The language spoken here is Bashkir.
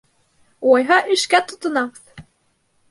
— Улайһа, эшкә тотонабыҙ!